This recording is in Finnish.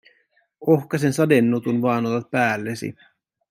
Ohkasen sadenutun vaan otat päällesi?